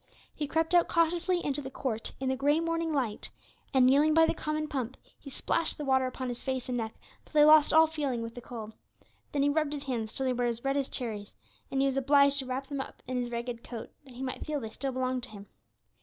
He crept out cautiously into the court in the gray morning light, and kneeling by the common pump, he splashed the water upon his face and neck till they lost all feeling with the cold. Then he rubbed his hands till they were as red as cherries, and he was obliged to wrap them up in his ragged coat that he might feel they still belonged to him.